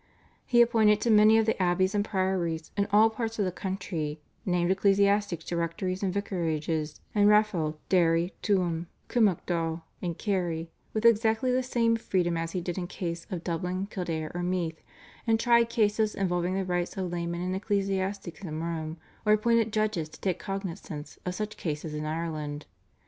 He appointed to many of the abbeys and priories in all parts of the country, named ecclesiastics to rectories and vicarages in Raphoe, Derry, Tuam, Kilmacduagh, and Kerry, with exactly the same freedom as he did in case of Dublin, Kildare or Meath, and tried cases involving the rights of laymen and ecclesiastics in Rome or appointed judges to take cognisance of such cases in Ireland.